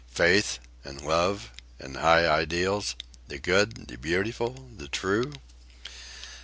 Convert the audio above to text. "Faith? and love? and high ideals? The good? the beautiful? the true?"